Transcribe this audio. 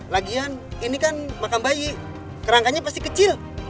lagian ini kan makam bayi kerangkanya pasti kecil